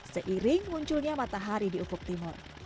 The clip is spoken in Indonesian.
seiring munculnya matahari di ufuk timur